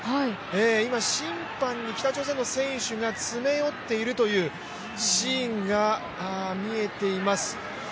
今、審判に北朝鮮の選手が詰め寄っているというシーンが見えています。